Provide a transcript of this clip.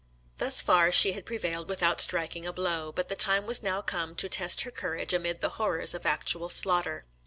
Thus far she had prevailed without striking a blow; but the time was now come to test her courage amid the horrors of actual slaughter.